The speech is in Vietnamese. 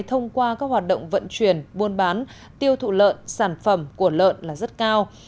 thông qua các hoạt động vận chuyển buôn bán tiêu thụ lợn sản phẩm của lợn là rất cao